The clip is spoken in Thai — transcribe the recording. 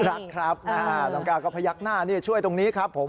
รักครับน้องก้าวก็พยักหน้าช่วยตรงนี้ครับผม